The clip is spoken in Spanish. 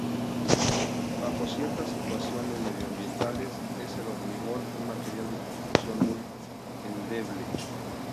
Bajo ciertas situaciones medioambientales es el hormigón un material de construcción muy endeble.